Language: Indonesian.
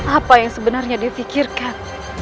apa yang sebenarnya dia pikirkan